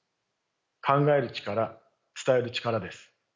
考える力伝える力です。